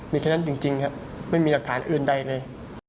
มีฉะนั้นจริงครับไม่มีหลักฐานอื่นใดเลย